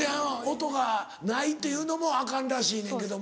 音がないっていうのもアカンらしいねんけども。